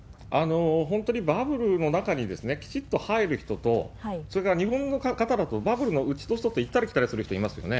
本当にバブルの中にきちっと入る人と、それから日本の方だとバブルの内と外、行ったり来たりする人いますよね。